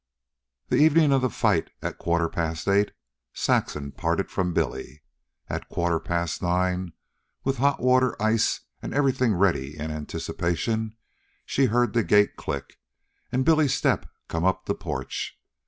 The evening of the fight at quarter past eight, Saxon parted from Billy. At quarter past nine, with hot water, ice, and everything ready in anticipation, she heard the gate click and Billy's step come up the porch.